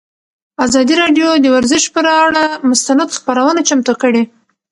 ازادي راډیو د ورزش پر اړه مستند خپرونه چمتو کړې.